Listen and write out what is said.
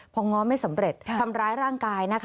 พอง้อไม่สำเร็จทำร้ายร่างกายนะคะ